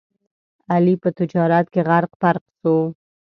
علي په تجارت کې غرق پرق شو.